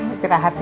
sampai ketahap ya